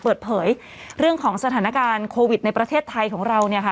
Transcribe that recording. เปิดเผยเรื่องของสถานการณ์โควิดในประเทศไทยของเราเนี่ยค่ะ